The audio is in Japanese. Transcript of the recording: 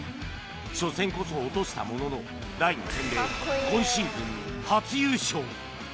初戦こそ落としたものの第２戦で今シーズン初優勝。